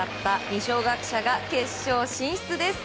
二松学舎が決勝進出です。